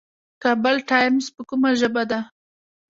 کابل ټایمز په کومه ژبه ده؟